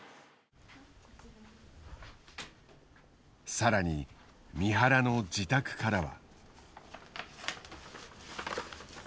更に三原の自宅からは。